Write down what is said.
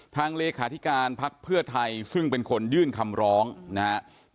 เลขาธิการพักเพื่อไทยซึ่งเป็นคนยื่นคำร้องนะครับ